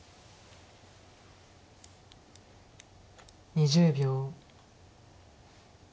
２０秒。